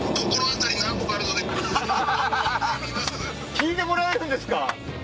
聞いてもらえるんですか